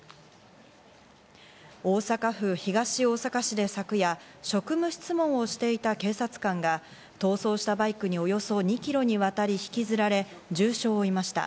大阪府東大阪市で昨夜、職務質問をしていた警察官が、逃走したバイクに、およそ２キロにわたり引きずられ、重傷を負いました。